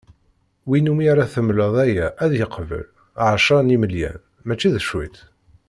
Win umi ara temleḍ aya ad yeqbel, ɛecra n yimelyan! Mačči d cwiṭ.